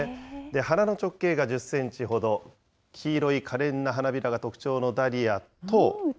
花の直径が１０センチほど、黄色いかれんな花びらが特徴のダリアと。